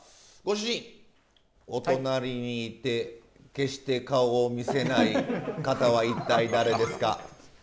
ご主人お隣にいて決して顔を見せない方は一体誰ですか？